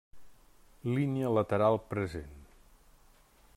Línia lateral present.